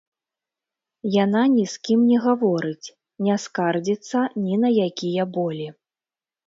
Яна ні з кім не гаворыць, не скардзіцца ні на якія болі.